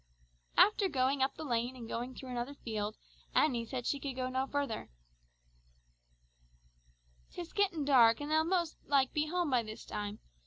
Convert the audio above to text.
After going up the lane and going through another field, Annie said she could go no further. "'Tis getting dark, and they'll most like be home by this time.